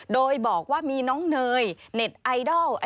โดยบอกว่ามีน้องเนยเน็ตไอดอล